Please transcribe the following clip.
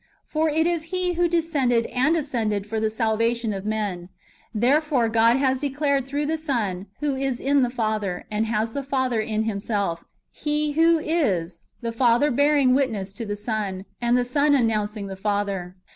* For it is He who de scended and ascended for the salvation of men. Therefore God has been declared through the Son, who is in the Father, and has the Father in Himself — He avho is, the Father bear ing witness to the Son, and the Son announcing the Father.